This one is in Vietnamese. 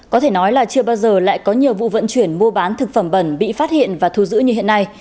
có thể nói là chưa bao giờ lại có nhiều vụ vận chuyển mua bán thực phẩm bẩn bị phát hiện và thu giữ như hiện nay